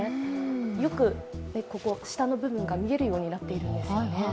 よく下の部分が見えるようになっているんですよね。